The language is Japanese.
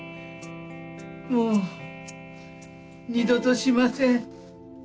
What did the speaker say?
もう二度としません。